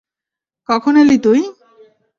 কখন এলি তুই?